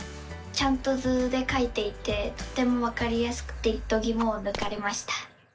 ちゃんと図でかいていてとてもわかりやすくてどぎもをぬかれました！